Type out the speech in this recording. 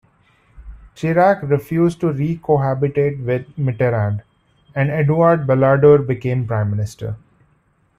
Chirac refused to re-cohabitate with Mitterrand, and Edouard Balladur became prime minister.